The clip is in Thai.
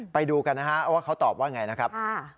ไปดูกันนะครับเอาว่าเขาตอบว่าอย่างไรนะครับ